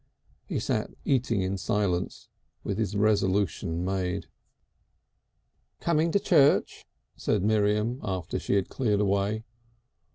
He sat eating in silence with his resolution made. "Coming to church?" said Miriam after she had cleared away.